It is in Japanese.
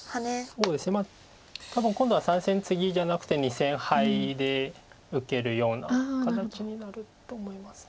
そうですね多分今度は３線ツギじゃなくて２線ハイで受けるような形になると思います。